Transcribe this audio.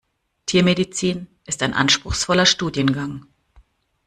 Tiermedizin ist ein anspruchsvoller Studiengang.